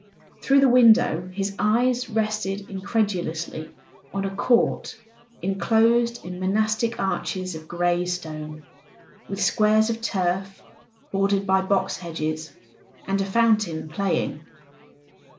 Through the window his eyes rested incredulously on a court enclosed in monastic arches of grey stone, with squares of turf bordered by box hedges, and a fountain playing.